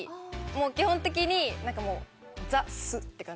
基本的に、ザ素って感じ。